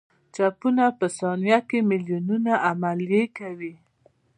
چپونه په ثانیه کې میلیونونه عملیې کوي.